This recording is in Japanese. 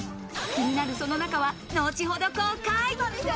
気になるその中は後ほど公開。